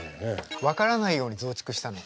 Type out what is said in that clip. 分からないように増築したの。